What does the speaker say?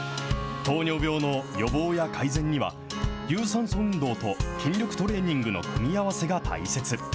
糖尿病の予防や改善には、有酸素運動と筋力トレーニングの組み合わせが大切。